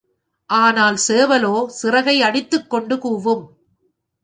ஆனால் சேவலோ சிறகை அடித்துக் கொண்டு கூவும்.